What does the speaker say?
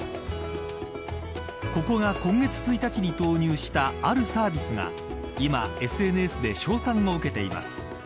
ここが今月１日に導入したあるサービスが今ＳＮＳで称賛を受けています。